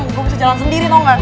gue bisa jalan sendiri tau nggak